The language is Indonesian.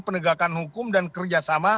penegakan hukum dan kerjasama